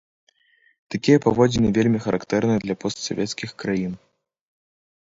Такія паводзіны вельмі характэрныя для постсавецкіх краін.